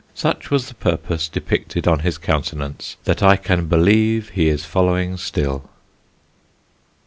Such was the purpose depicted on his countenance that I can believe he is following still.